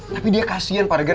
tapi dia kasihan pak regar